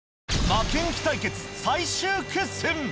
負けん気対決最終決戦。